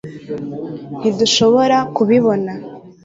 ntidushobora kubibona